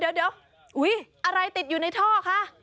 อุ๊ยอะไรติดอยู่ในท่อคะ